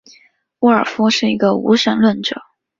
沃尔夫是一个无神论者。